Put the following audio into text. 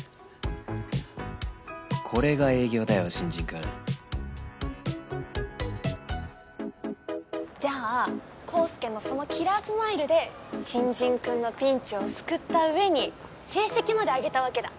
これが営業だよ新人くんじゃあ康介のそのキラースマイルで新人くんのピンチを救った上に成績まで上げたわけだ。